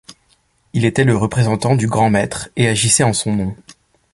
Il était le représentant du grand maître et agissait en son nom.